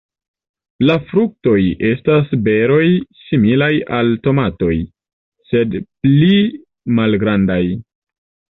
La fruktoj estas beroj similaj al tomatoj, sed pli malgrandaj.